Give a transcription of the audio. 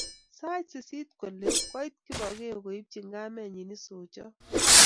Sait sisit kole, koit Kipokeo koibchi kamenyi isochot